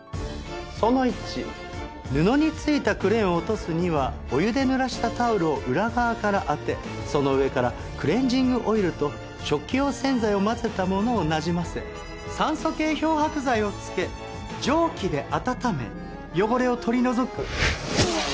その１布に付いたクレヨンを落とすにはお湯でぬらしたタオルを裏側から当てその上からクレンジングオイルと食器用洗剤を混ぜたものをなじませ酸素系漂白剤を付け蒸気で温め汚れを取り除く。